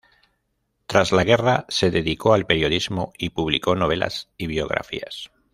Tras la guerra se dedicó al periodismo y publicó novelas y biografías.